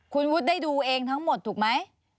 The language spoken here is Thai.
คุณวุฒิได้ดูเองทั้งหมดถูกไหม